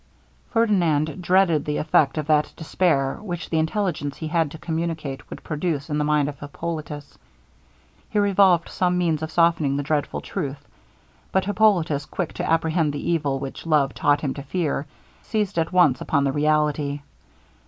Ferdinand dreaded the effect of that despair, which the intelligence he had to communicate would produce in the mind of Hippolitus. He revolved some means of softening the dreadful truth; but Hippolitus, quick to apprehend the evil which love taught him to fear, seized at once upon the reality.